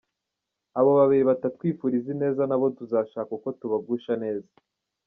“Abo babiri batatwifuriza ineza nabo tuzashaka uko tubagusha neza.